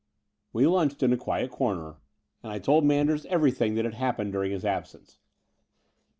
We lunched in a quiet comer; and I told Man ders everything that had happened during his absence.